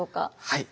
はい。